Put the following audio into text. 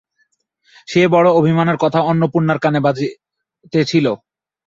সেই বড়ো অভিমানের কথা অন্নপূর্ণার কানে বাজিতেছিল।